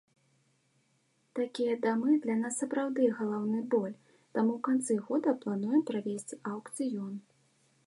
Такія дамы для нас сапраўдны галаўны боль, таму ў канцы года плануем правесці аўкцыён.